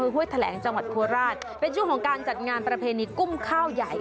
และฮวยแถลกจังหวัดครราชเป็นเวลาของการจัดงานประเพณิคกุ้มข้าวใหญ่